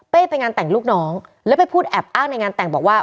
ไปงานแต่งลูกน้องแล้วไปพูดแอบอ้างในงานแต่งบอกว่า